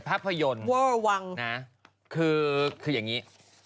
ภาพยนต์วิวอลวังคืออย่างนี้